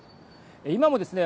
今もですね